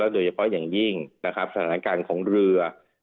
โดยเฉพาะอย่างยิ่งนะครับสถานการณ์ของเรือ